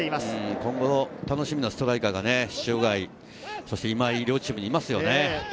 今後楽しみなストライカーが塩貝、今井、両チームにいますよね。